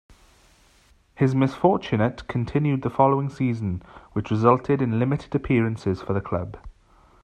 His misfortunate continued the following season, which resulted in limited appearances for the club.